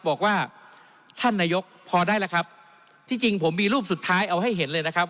บอกว่าท่านนายกพอได้แล้วครับที่จริงผมมีรูปสุดท้ายเอาให้เห็นเลยนะครับ